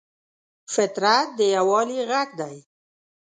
فطرت د یووالي غږ دی.